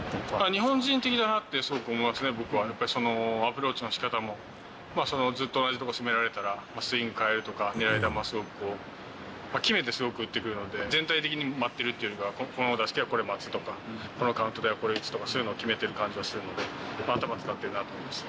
日本人的だなって、すごく思いますね、僕はやっぱり、アプローチのしかたも、ずっと同じところ攻められたら、スイング変えるとか、狙い球をすごく、決めてすごく打ってくるので、全体的に待っているというよりは、これを待っている、このカウントで打つとかって決めてる、頭使ってるなと思います。